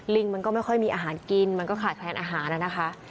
ลิงมันก็ไม่ค่อยมีอาหารกินมันก็ขาดแคลนอาหารนะคะ